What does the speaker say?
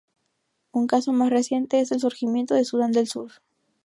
Un caso más reciente es el surgimiento de Sudán del Sur.